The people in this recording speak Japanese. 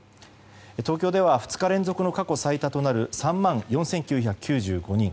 東京では２日連続の過去最多となる３万４９９５人。